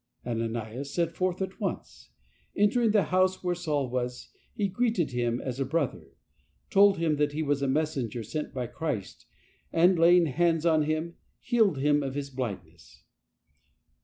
Ananias set forth at once. Entering the house where Saul was, he greeted him as a brother, told him that he was a messenger sent by Christ, and, laying his hands on him, healed him of his blindness.